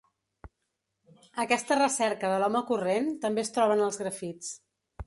Aquesta recerca de l’home corrent també es troba en els grafits.